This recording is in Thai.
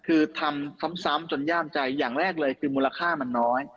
คือทำซ้ำจนย่ามใจอย่างแรกเลยคือมูลค่ามันน้อย